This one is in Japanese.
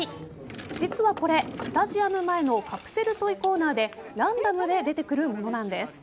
実はこれ、スタジアム前のカプセルトイコーナーでランダムで出てくるものなんです。